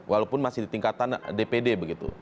walaupun masih di tingkatan dpd begitu